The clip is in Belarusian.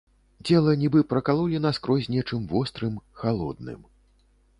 Цела нібы пракалолі наскрозь нечым вострым, халодным.